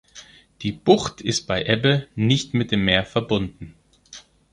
Die Bucht ist bei Ebbe nicht mit dem Meer verbunden.